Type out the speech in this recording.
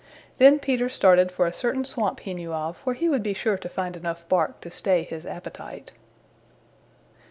Then Peter started for a certain swamp he knew of where he would be sure to find enough bark to stay his appetite.